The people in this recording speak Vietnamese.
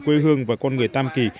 quê hương và con người tam kỳ